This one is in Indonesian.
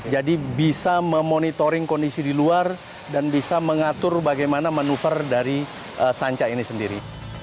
jadi bisa memonitoring kondisi di luar dan bisa mengatur bagaimana manuver dari sanca ini sendiri